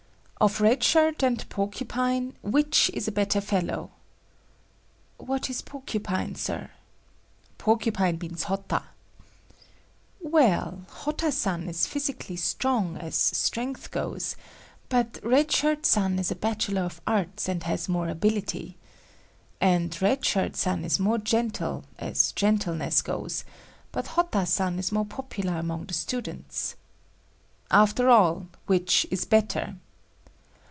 "Of Red Shirt and Porcupine, which is a better fellow?" "What is Porcupine, Sir?" "Porcupine means Hotta." "Well, Hotta san is physically strong, as strength goes, but Red Shirt san is a Bachelor of Arts and has more ability. And Red Shirt san is more gentle, as gentleness goes, but Hotta san is more popular among the students." "After all, which is better?"